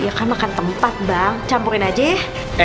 ya kan makan tempat bang campurin aja ya